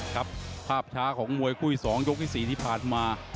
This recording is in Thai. ครับภาพช้าของมวยคู่ที่๒ยกที่๔ที่ผ่านมา